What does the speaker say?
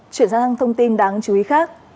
chuyển sang thông tin đáng chú ý khác